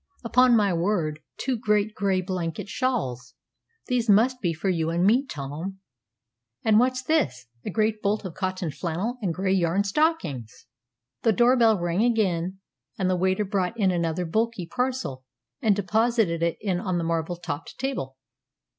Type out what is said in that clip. "Upon my word, two great gray blanket shawls! These must be for you and me, Tom! And what's this? A great bolt of cotton flannel and gray yarn stockings!" The door bell rang again, and the waiter brought in another bulky parcel, and deposited it on the marble topped centre table.